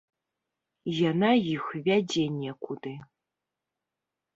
Яна іх вядзе некуды.